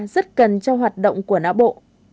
rất cần cho hoạt động của não bộ